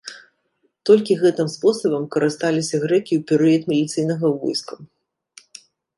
Толькі гэтым спосабам карысталіся грэкі ў перыяд міліцыйнага войска.